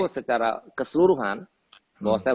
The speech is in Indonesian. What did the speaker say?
secara keseluruhan bahwa